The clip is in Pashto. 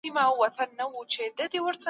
د طبیعي پېښو د درک لپاره طبیعي علوم ولولئ.